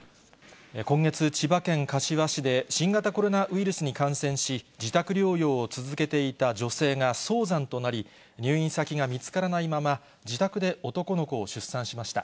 今月、千葉県柏市で新型コロナウイルスに感染し、自宅療養を続けていた女性が早産となり、入院先が見つからないまま、自宅で男の子を出産しました。